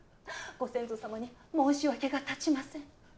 ご先祖さまに申し訳が立ちません。